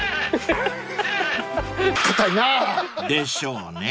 ［でしょうね］